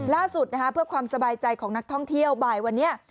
ล่าสุดเพื่อความสบายใจของนักท่องเที่ยวบ่ายวันนี้